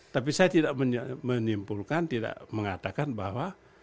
tapi saya tidak menyimpulkan tidak mengatakan bahwa